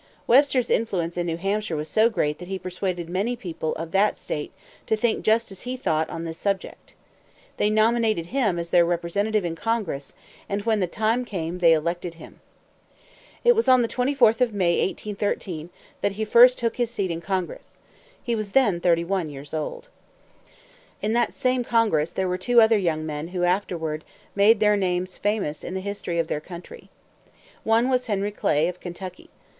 Webster's influence in New Hampshire was so great that he persuaded many of the people of that state to think just as he thought on this subject. They nominated him as their representative in Congress; and when the time came, they elected him. It was on the 24th of May, 1813, that he first took his seat in Congress. He was then thirty one years old. In that same Congress there were two other young men who afterwards made their names famous in the history of their country. One was Henry Clay, of Kentucky.